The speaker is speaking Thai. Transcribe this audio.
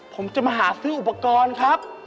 ผมจะมาหาซื้ออุปกรณ์ครับ